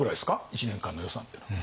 １年間の予算っていうのは。